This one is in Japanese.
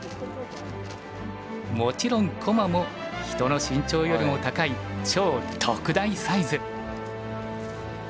もちろん駒も人の身長よりも高い超特大サイズ。